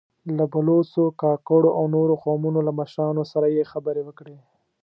له بلوڅو، کاکړو او د نورو قومونو له مشرانو سره يې خبرې وکړې.